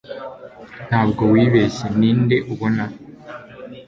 ntabwo wibeshye, ninde ubona